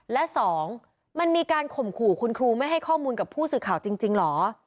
และสองมันมีการข่มขู่คุณครูไม่ให้ข้อมูลกับผู้สื่อข่าวจริงเหรอ